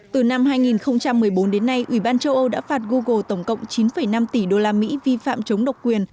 từ năm hai nghìn một mươi bốn đến nay ủy ban châu âu đã phạt google tổng cộng chín năm tỷ đô la mỹ vi phạm chống độc quyền